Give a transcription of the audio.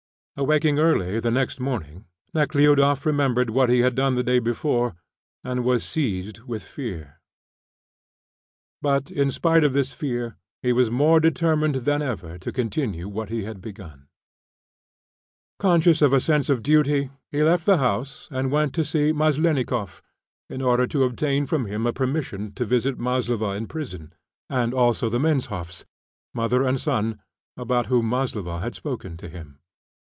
Awaking early the next morning, Nekhludoff remembered what he had done the day before, and was seized with fear. But in spite of this fear, he was more determined than ever to continue what he had begun. Conscious of a sense of duty, he left the house and went to see Maslennikoff in order to obtain from him a permission to visit Maslova in prison, and also the Menshoffs mother and son about whom Maslova had spoken to him.